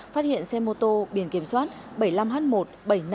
phát hiện xe mô tô biển kiểm soát